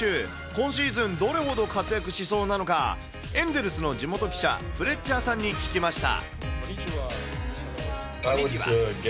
今シーズン、どれほど活躍しそうなのか、エンゼルスの地元記者、フレッチャーさんに聞きました。